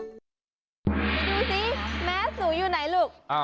ดูสิแม้สูอยู่ไหนลูก